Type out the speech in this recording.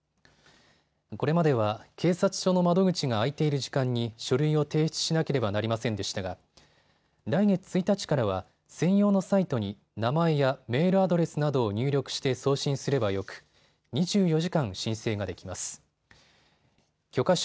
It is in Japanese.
これまでは警察署の窓口が開いている時間に書類を提出しなければなりませんでしたが来月１日からは専用のサイトに名前やメールアドレスなどを入力して送信すればよく２４時間申請ができます。